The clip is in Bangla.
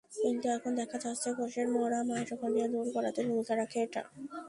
কিন্তু এখন দেখা যাচ্ছে, কোষের মরা মাইটোকন্ড্রিয়া দূর করতে ভূমিকা রাখে এটা।